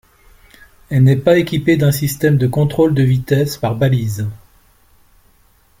Elle n'est pas équipée d'un système de contrôle de vitesse par balises.